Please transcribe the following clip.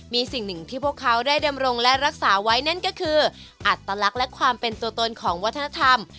มีสิ่งหนึ่งที่พวกเขาได้ดำรงและรักษาไว้นั่นก็คืออัตลักษณ์และความเป็นตัวตนของวัฒนธรรม